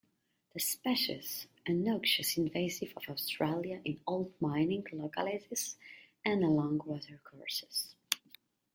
The species a noxious invasive of Australia in old mining localities and along watercourses.